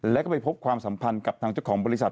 แล้วก็ไปพบความสัมพันธ์กับทางเจ้าของบริษัท